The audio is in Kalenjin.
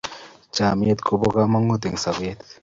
chamiet kobo kamagut eng' sabet